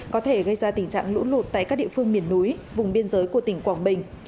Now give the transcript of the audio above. có thể gây ra tình trạng lũ lụt tại các địa phương miền núi vùng biên giới của tỉnh quảng bình